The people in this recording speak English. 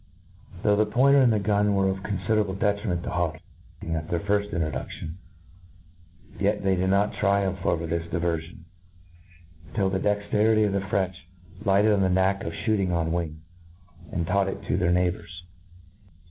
Though the pointer and gun were of confider ablc detriment to hawking, at their fiirft intro dudion ; INTRODUCTION 39 dilflioh ; yet they did not triumph over this di verfion, till the dexterity of the French lighted on the knack of fliooting on wing, and taught it to their neighbours.